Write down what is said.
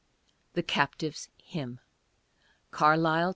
THE CAPTIVE'S HYMN (Carlisle, Pa.